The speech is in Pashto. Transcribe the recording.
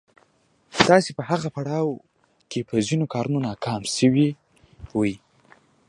تاسې په هغه پړاو کې په ځينو کارونو ناکام شوي وئ.